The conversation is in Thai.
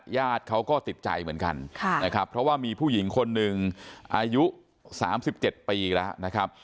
ญาติเขาก็ติดใจเหมือนกันนะครับเพราะว่ามีผู้หญิงคนหนึ่งอายุ๓๗ปีแล้วนะครับ